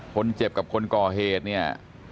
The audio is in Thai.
คนเจ็บกับคนก่อเหตุเนี่ย